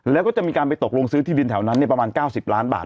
แล้วก็จะมีการไปตกลงซื้อที่ดินแถวนั้นประมาณ๙๐ล้านบาท